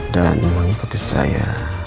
dan mengikuti saya